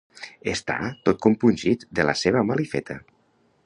Està tot compungit de la seva malifeta.